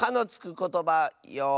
ことばよい。